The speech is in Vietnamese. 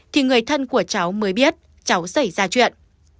thì người thân của cháu mới biết cháu xảy ra chuyện